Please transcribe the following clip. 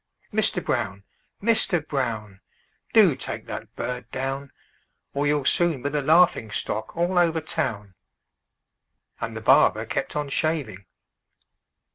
Mister Brown! Mister Brown! Do take that bird down, Or you'll soon be the laughing stock all over town!" And the barber kept on shaving.